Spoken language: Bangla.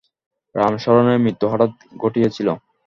রামশরণের মৃত্যু হঠাৎ ঘটিয়াছিল।